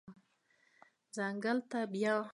ځنګل ته بیایي